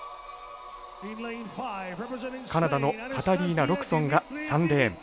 カナダのカタリーナ・ロクソンが３レーン。